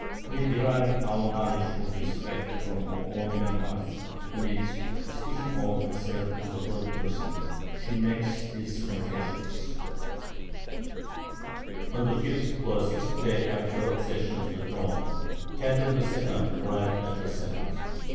We derive our knowledge of this fact from her own memoirs, in which, speaking of herself in the third person, she makes this confession: On the fifth or sixth day after her accession to the throne, Catherine II. arrived at the Senate.